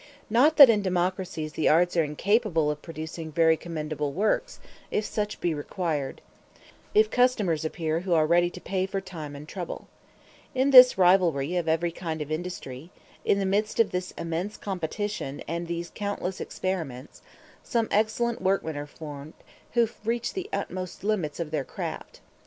Not that in democracies the arts are incapable of producing very commendable works, if such be required. This may occasionally be the case, if customers appear who are ready to pay for time and trouble. In this rivalry of every kind of industry in the midst of this immense competition and these countless experiments, some excellent workmen are formed who reach the utmost limits of their craft.